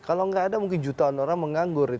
kalau nggak ada mungkin jutaan orang menganggur